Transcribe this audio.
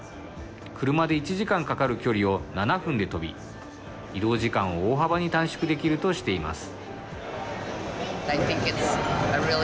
車で１時間かかる距離を７分で飛び、移動時間を大幅に短縮できるとしています。